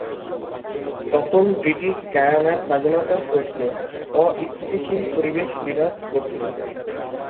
তখন ব্রিটিশ গায়ানার স্বাধীনতার প্রশ্নে অস্থিতিশীল পরিবেশ বিরাজ করছিল।